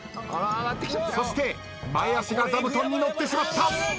そして前足が座布団に乗ってしまった。